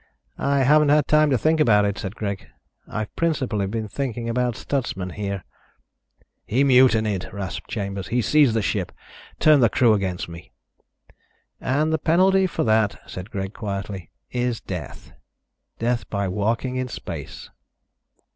"I haven't had time to think about it," said Greg. "I've principally been thinking about Stutsman here." "He mutinied," rasped Chambers. "He seized the ship, turned the crew against me." "And the penalty for that," said Greg, quietly, "is death. Death by walking in space."